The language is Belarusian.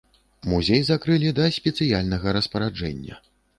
Музей закрылі да спецыяльнага распараджэння.